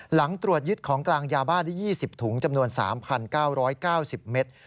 หลังตรวจยึดของกลางยาบ้าได้๒๐ถุงจำนวน๓๙๙๐เมตร